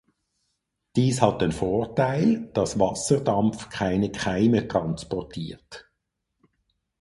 Dies hat den Vorteil, dass Wasserdampf keine Keime transportiert.